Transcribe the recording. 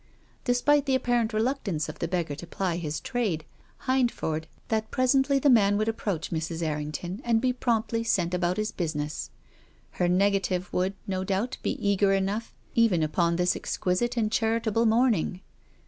Despite the apparent reluctance of the beggar to ply his trade, Hindford felt convinced that pres ently the man would approach Mrs. Errington and be promptly sent about his business. Her nega tive would, no doubt, be eager enough even upon this exquisite and charitable morning.